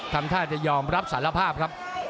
ทำท่าจะยอมรับสารภาพครับ